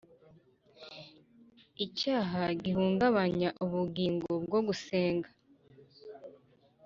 icyaha gihungabanya ubugingo bwo gusenga